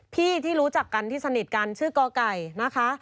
ที่รู้จักกันที่สนิทกันชื่อกไก่นะคะ